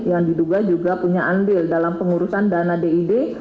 yang diduga juga punya andil dalam pengurusan dana did